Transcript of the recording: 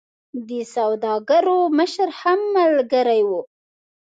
د سوداګرو مشر هم ملګری وو.